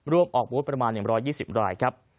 ออกบูธประมาณ๑๒๐รายครับ